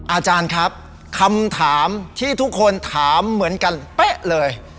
อาจารย์ครับคำถามที่ทุกคนถามเหมือนกันเป๊ะเลย